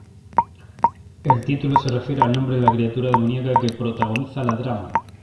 El título se refiere al nombre de la criatura demoníaca que protagoniza la trama.